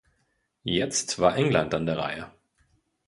Jetzt war England an der Reihe.